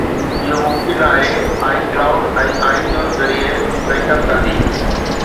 اهو ممڪن آهي iCloud ۽ iTunes ذريعي بيڪ اپ ڪندي